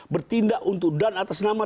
bertindak untuk dan atas nama